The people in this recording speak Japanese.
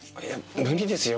無理ですよ